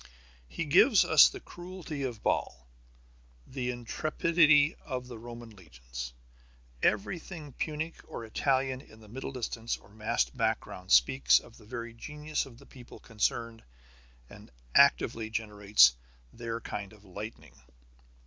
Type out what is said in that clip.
He gives us the cruelty of Baal, the intrepidity of the Roman legions. Everything Punic or Italian in the middle distance or massed background speaks of the very genius of the people concerned and actively generates their kind of lightning.